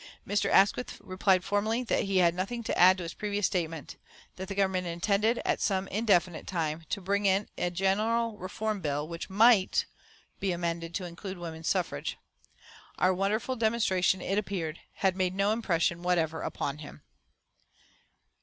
Mr. Asquith replied formally that he had nothing to add to his previous statement that the Government intended, at some indefinite time, to bring in a general reform bill which might be amended to include woman suffrage. Our wonderful demonstration, it appeared, had made no impression whatever upon him.